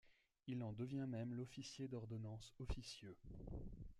Il en devient même l'officier d'ordonnance officieux.